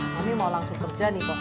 mami mau langsung kerja nih